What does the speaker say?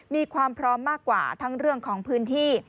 มีความพร้อมมากกว่าทั้งเรื่องของพื้นที่